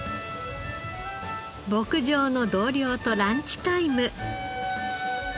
牧場の同僚とランチタイム。